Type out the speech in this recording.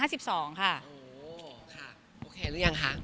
โอ้โหค่ะโอเคหรือยังคะ